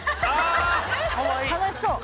楽しそう。